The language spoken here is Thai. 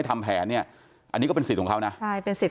กลุ่มวัยรุ่นกลัวว่าจะไม่ได้รับความเป็นธรรมทางด้านคดีจะคืบหน้า